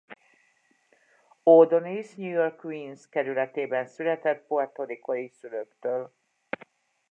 O’Donis New York Queens kerületében született Puerto Ricó-i szülőktől.